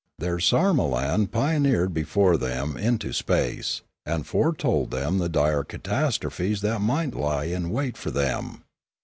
Their sarmolan pioneered before them into space, and foretold them the dire catastrophes that might lie in wait for them.